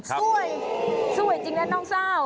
สวยสวยจริงนะน้องเศร้า